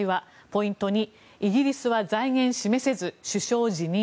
ポイント２イギリスは財源示せず首相辞任。